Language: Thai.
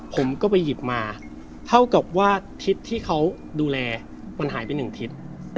ผมก็ไปหยิบมาเท่ากับว่าทิศที่เขาดูแลมันหายไปหนึ่งทิศ